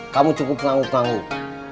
kamu cukup ngangguk ngangguk